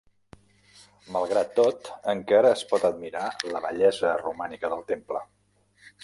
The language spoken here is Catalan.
Malgrat tot encara es pot admirar la bellesa romànica del temple.